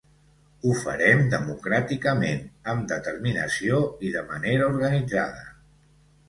Ho farem democràticament, amb determinació i de manera organitzada.